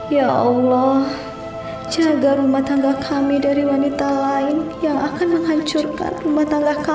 ya allah jaga rumah tangga kami dari wanita lain yang akan menghancurkan rumah tangga kami